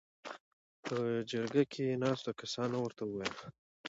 .په جرګه کې ناستو کسانو ورته ووېل: